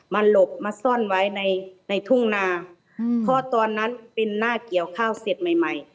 หลบมาซ่อนไว้ในในทุ่งนาอืมเพราะตอนนั้นเป็นหน้าเกี่ยวข้าวเสร็จใหม่ใหม่